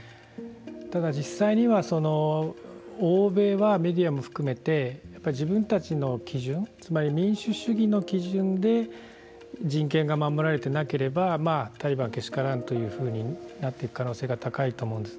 ただ、実際には欧米はメディアも含めて自分たちの基準つまり民主主義の基準で人権が守られてなければタリバンけしからんというふうになっていく可能性が高いと思うんです。